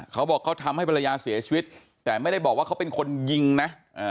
เขาบอกเขาทำให้ภรรยาเสียชีวิตแต่ไม่ได้บอกว่าเขาเป็นคนยิงนะ